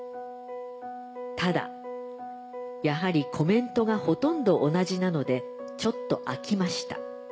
ただやはりコメントがほとんど同じなのでちょっと飽きました。